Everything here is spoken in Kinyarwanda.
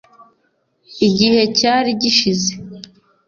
Igihe cyari gishize